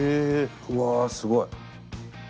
うわすごい。